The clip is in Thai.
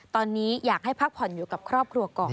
ตอนนี้อยากให้พักผ่อนอยู่กับครอบครัวก่อน